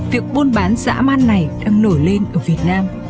việc buôn bán dã man này đang nổi lên ở việt nam